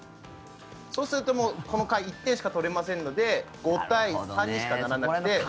そうするとこの回は１点しか取れませんので５対３にしかならなくて。